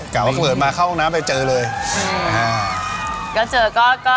กล่าวว่ากล่วงในห้องน้้ำเจอเตือนเรื่อย